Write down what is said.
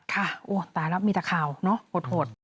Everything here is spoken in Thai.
โอ้ตายแล้วมีแต่ข่าวเนอะโหด